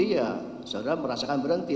berhenti ya saudara merasakan berhenti